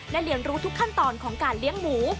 และเรียนรู้ทุกขั้นตอนของการเลี้ยงหมู